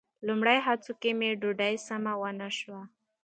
لومړني هڅو کې مې ډوډۍ سمې ونه شوې.